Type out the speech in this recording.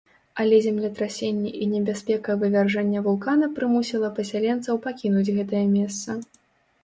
Але землетрасенні і небяспека вывяржэння вулкана прымусіла пасяленцаў пакінуць гэтае месца.